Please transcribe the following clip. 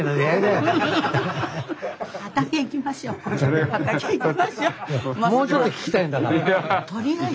もうちょっと聞きたいんだな。